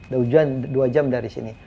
dah ujuan dua jam dari sini